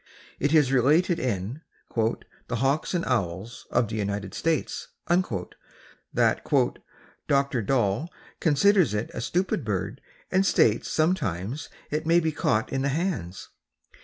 It is related in "The Hawks and Owls of the United States," that "Dr. Dall considers it a stupid bird and states that sometimes it may be caught in the hands.